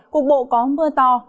cục bộ có mưa to